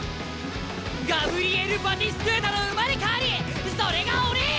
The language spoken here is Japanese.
ガブリエル・バティストゥータの生まれ変わりそれが俺！